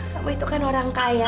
kamu itu kan orang kaya